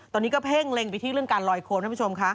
ตอนนี้ก็เพ่งเร่งไปที่เรื่องการลอยโคม